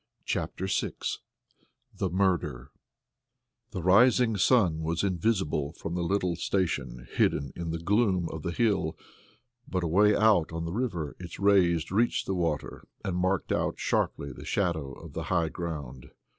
CHAPTER VI The Murder The rising sun was invisible from the little station hidden in the gloom of the hill, but away out on the river its rays reached the water and marked out sharply the shadow of the high ground.